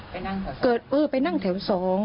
ไปนั่งแถว๒